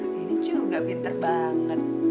ini juga pinter banget